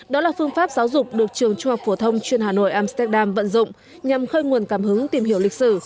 đó là phương pháp giáo dục được trường trung học phổ thông chuyên hà nội amsterdam vận dụng nhằm khơi nguồn cảm hứng tìm hiểu lịch sử